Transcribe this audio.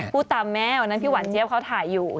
พูดตามแม่วันนั้นพี่หวานเจี๊ยบเขาถ่ายอยู่